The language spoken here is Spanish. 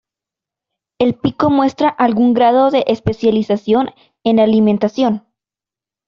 El pico muestra algún grado de especialización en la alimentación.